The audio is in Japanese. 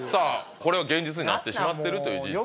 これが現実になってしまってるという事実です。